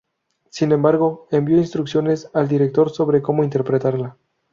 Sin embargo, envió instrucciones al director sobre cómo interpretarla.